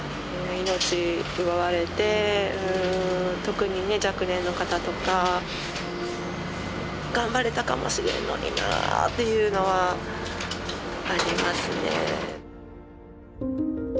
特にね若年の方とか頑張れたかもしれんのになっていうのはありますね。